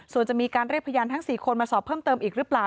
ส่วนจะมีการเรียกพยานทั้ง๔คนมาสอบเพิ่มเติมอีกหรือเปล่า